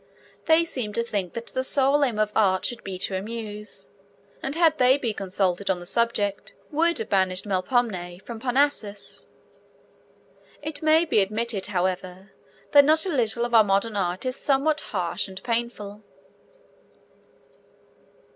They seem to think that the sole aim of art should be to amuse, and had they been consulted on the subject would have banished Melpomene from Parnassus. It may be admitted, however, that not a little of our modern art is somewhat harsh and painful.